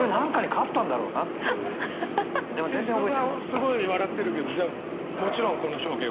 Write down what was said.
すごい笑ってるけどもちろんこの表現は？